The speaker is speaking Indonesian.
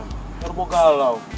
ntar gua galau